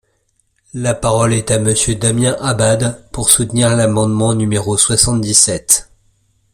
La parole est à Monsieur Damien Abad, pour soutenir l’amendement numéro soixante-dix-sept.